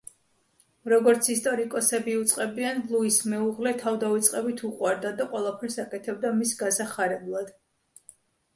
როგორც ისტორიკოსები იუწყებიან, ლუის მეუღლე თავდავიწყებით უყვარდა და ყველაფერს აკეთებდა მის გასახარებლად.